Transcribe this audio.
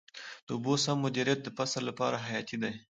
د اوبو سم مدیریت د فصل لپاره حیاتي دی.